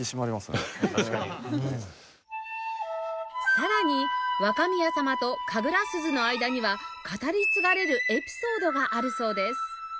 さらに若宮様と神楽鈴の間には語り継がれるエピソードがあるそうです